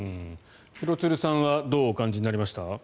廣津留さんはどうお感じになりました？